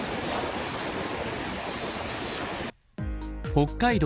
北海道